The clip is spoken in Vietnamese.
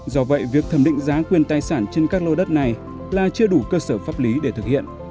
do vậy việc thẩm định giá quyền tài sản trên các lô đất này là chưa đủ cơ sở pháp lý để thực hiện